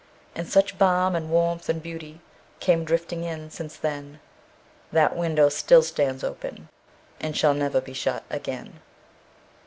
And such balm and warmth and beautyCame drifting in since then, That the window still stands openAnd shall never be shut again.